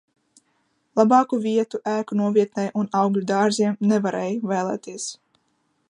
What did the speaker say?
Labāku vietu ēku novietnei un augļu dārziem nevarēja vēlēties.